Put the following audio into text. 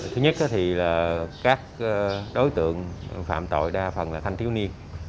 thứ nhất thì là các đối tượng phạm tội đa phần là thanh thiếu niên